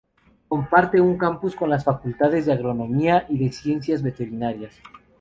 Comparte un "campus" con las facultades de Agronomía y de Ciencias Veterinarias.